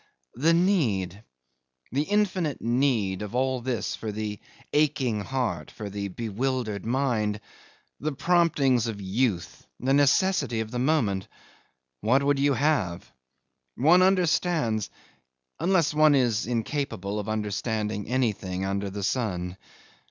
The need the infinite need of all this for the aching heart, for the bewildered mind; the promptings of youth the necessity of the moment. What would you have? One understands unless one is incapable of understanding anything under the sun.